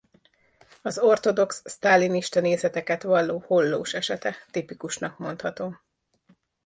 Az ortodox sztálinista nézeteket valló Hollós esete tipikusnak mondható.